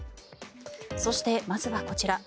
そして、まずはこちら。